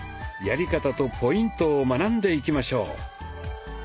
やり方とポイントを学んでいきましょう。